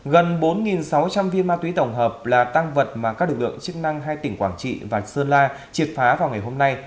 gần bốn sáu trăm linh viên ma túy tổng hợp là tăng vật mà các lực lượng chức năng hai tỉnh quảng trị và sơn la triệt phá vào ngày hôm nay